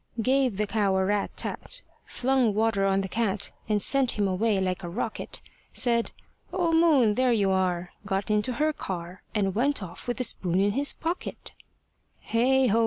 Gave the cow a rat tat, Flung water on the cat, And sent him away like a rocket. Said, "O Moon there you are!" Got into her car, And went off with the spoon in his pocket Hey ho!